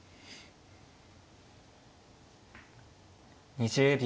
２０秒。